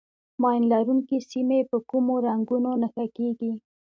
ماین لرونکي سیمې په کومو رنګونو نښه کېږي.